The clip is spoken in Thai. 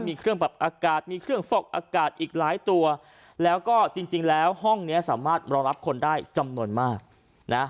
มีเครื่องปรับอากาศมีเครื่องฟอกอากาศอีกหลายตัวแล้วก็จริงจริงแล้วห้องเนี้ยสามารถรองรับคนได้จำนวนมากนะ